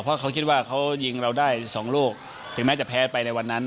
เพราะเขาคิดว่าเขายิงเราได้สองลูกถึงแม้จะแพ้ไปในวันนั้น